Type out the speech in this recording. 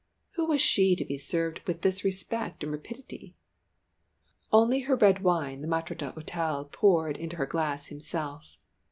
Who was she to be served with this respect and rapidity? Only her red wine the maître d'hôtel poured into her glass himself.